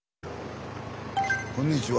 こんにちは。